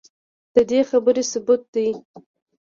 ددې خبرې ثبوت دے